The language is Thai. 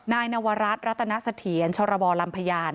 นายนวรัสรัตนสเทียนชรบอลำพยา